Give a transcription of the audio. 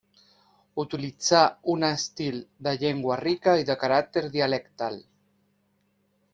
Utilitzà un estil de llengua rica i de caràcter dialectal.